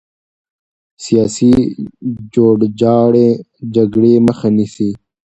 سیاسي جوړجاړی جګړې مخه نیسي